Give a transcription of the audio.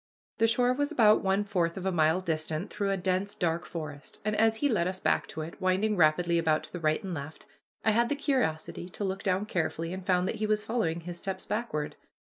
The shore was about one fourth of a mile distant through a dense, dark forest, and as he led us back to it, winding rapidly about to the right and left, I had the curiosity to look down carefully and found that he was following his steps backward.